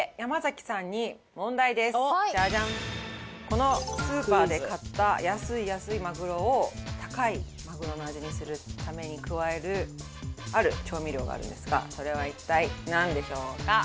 このスーパーで買った安い安いマグロを高いマグロの味にするために加えるある調味料があるんですがそれは一体なんでしょうか？